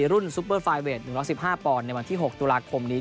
รุ่นซุปเปอร์ไฟล์เวท๑๑๕ปในวันที่๖ตุลาคมนี้